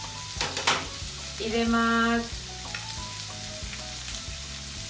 入れます。